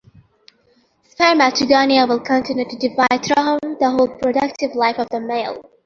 Spermatogonia will continue to divide throughout the whole productive life of the male.